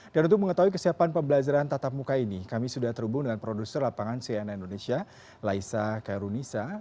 dan untuk mengetahui kesiapan pembelajaran tatap muka ini kami sudah terhubung dengan produser lapangan cnn indonesia laisa karunisa